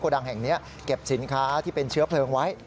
ดังแห่งนี้เก็บสินค้าที่เป็นเชื้อเพลิงไว้